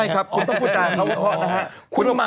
ใช่ครับคุณต้องพูดเขาเพราะว่าพอแล้ว